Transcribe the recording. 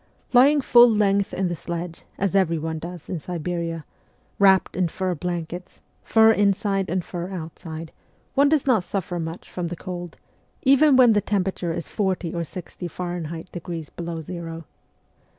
Ikying full length in the sledge as everyone does in Siberia wrapped in fur blankets, fur inside and fur outside, one does not suffer much from the cold, even when the temperature is forty or sixty Fahrenheit degrees below zero.